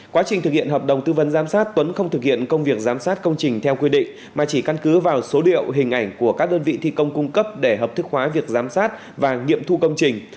quá trình thực hiện hợp đồng tư vấn giám sát tuấn không thực hiện công việc giám sát công trình theo quy định mà chỉ căn cứ vào số điệu hình ảnh của các đơn vị thi công cung cấp để hợp thức hóa việc giám sát và nghiệm thu công trình